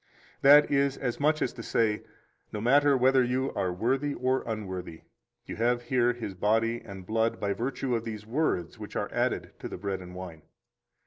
18 That is as much as to say, No matter whether you are worthy or unworthy, you have here His body and blood by virtue of these words which are added to the bread and wine.